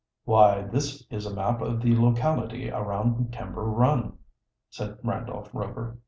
"Why, this is a map of the locality around Timber Run," said Randolph Rover.